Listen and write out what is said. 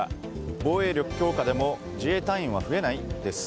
防衛力強化でも自衛隊員は増えない？です。